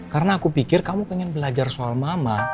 karena aku pikir kamu pengen belajar soal mama